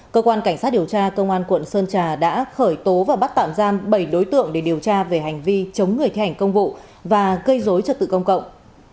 cơ quan cảnh sát điều tra công an quận sơn trà đã khởi tố và bắt tạm giam bảy đối tượng để điều tra về hành vi chống người thi hành công vụ và gây dối trật tự công cộng